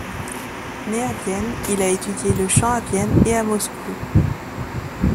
Né à Vienne, il a étudié le chant à Vienne et à Moscou.